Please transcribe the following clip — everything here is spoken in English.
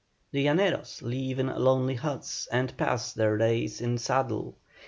The llaneros live in lonely huts, and pass their days in the saddle.